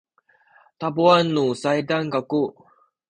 tabuan nu saydan kaku